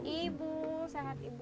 ibu sehat ibu